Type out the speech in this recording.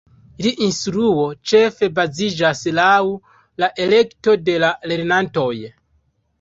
La instruo ĉefe baziĝas laŭ la elekto de la lernantoj.